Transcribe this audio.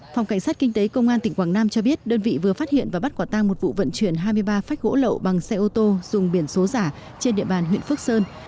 phòng cảnh sát kinh tế công an tỉnh quảng nam cho biết đơn vị vừa phát hiện và bắt quả tang một vụ vận chuyển hai mươi ba phách gỗ lậu bằng xe ô tô dùng biển số giả trên địa bàn huyện phước sơn